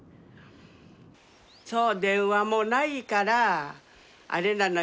そう電話もないからあれなのよ